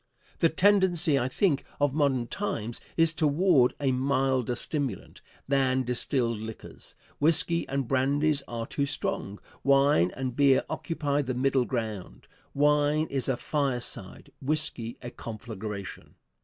The tendency, I think, of modern times is toward a milder stimulant than distilled liquors. Whisky and brandies are too strong; wine and beer occupy the middle ground. Wine is a fireside, whisky a conflagration.